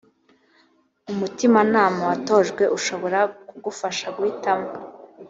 umutimanama watojwe ushobora kugufasha guhitamo